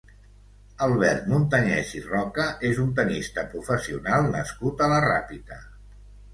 Albert Montañés i Roca és un tennista professional nascut a la Ràpita.